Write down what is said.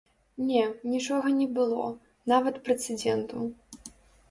Не, нічога не было, нават прэцэдэнту.